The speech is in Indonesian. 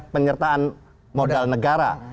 penyertaan modal negara